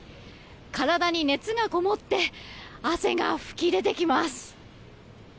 体に熱がこもって汗が噴き出てきます。